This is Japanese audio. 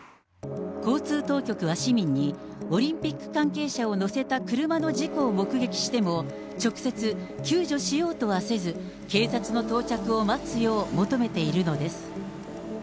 交通当局は市民に、オリンピック関係者を乗せた車の事故を目撃しても、直接救助しようとはせず、警察の到着を待つよう求めているのです。